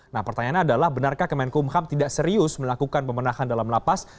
nah pertanyaannya adalah benarkah kementerian hukum dan ham tidak serius melakukan pembinaan dalam lapas